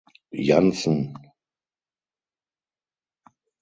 Janssen.